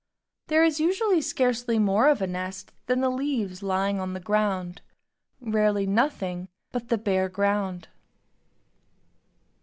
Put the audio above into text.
There is usually scarcely more of a nest than the leaves lying on the ground; rarely nothing but the bare ground.